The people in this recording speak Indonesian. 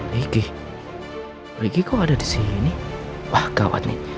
ricky ricky kok ada di sini wah gawat nih